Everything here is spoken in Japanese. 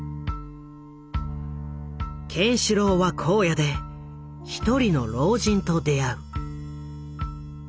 ケンシロウは荒野で一人の老人と出会う。